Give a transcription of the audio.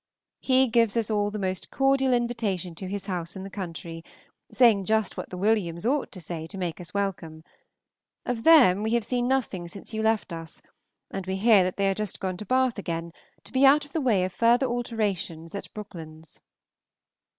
He gives us all the most cordial invitation to his house in the country, saying just what the Williams ought to say to make us welcome. Of them we have seen nothing since you left us, and we hear that they are just gone to Bath again, to be out of the way of further alterations at Brooklands.